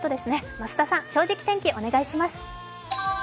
増田さん、「正直天気」お願いします。